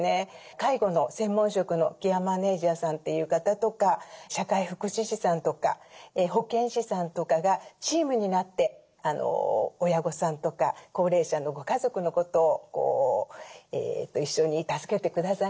介護の専門職のケアマネジャーさんという方とか社会福祉士さんとか保健師さんとかがチームになって親御さんとか高齢者のご家族のことを一緒に助けて下さいますので。